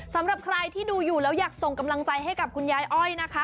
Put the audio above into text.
สำหรับใครที่ดูอยู่แล้วอยากส่งกำลังใจให้กับคุณยายอ้อยนะคะ